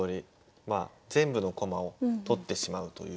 まあ全部の駒を取ってしまうという。